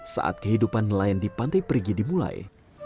saat kehidupan nelayan di pantai perigi dimulai